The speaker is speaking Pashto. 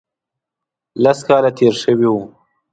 لس کاله تېر شوي وو.